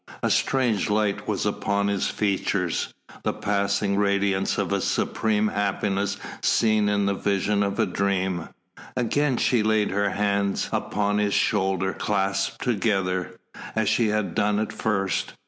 A strange light was upon his features, the passing radiance of a supreme happiness seen in the vision of a dream. Again she laid her hands upon his shoulder clasped together, as she had done at first.